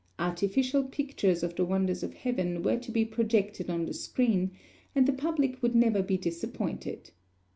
Artificial pictures of the wonders of heaven were to be projected on the screen, and the public would never be disappointed.